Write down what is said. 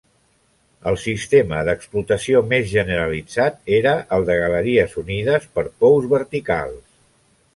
El sistema d'explotació més generalitzat era el de galeries unides per pous verticals.